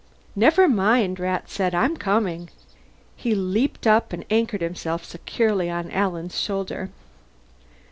"Never mind," Rat said. "I'm coming." He leaped up and anchored himself securely on Alan's shoulder.